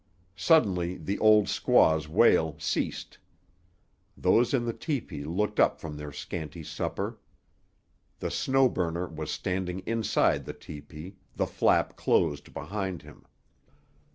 Suddenly the old squaw's wail ceased; those in the tepee looked up from their scanty supper. The Snow Burner was standing inside the tepee, the flap closed behind him.